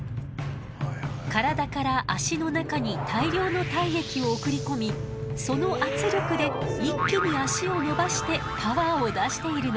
体から脚の中に大量の体液を送り込みその圧力で一気に脚を伸ばしてパワーを出しているの。